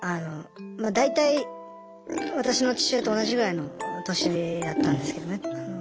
まあ大体私の父親と同じぐらいの年だったんですけどね。